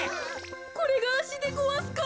これがあしでごわすか。